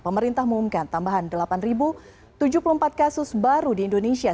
pemerintah mengumumkan tambahan delapan tujuh puluh empat kasus baru di indonesia